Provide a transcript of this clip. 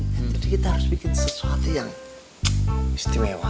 jadi kita harus bikin sesuatu yang istimewa